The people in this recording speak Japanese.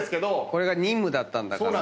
これが任務だったんだから。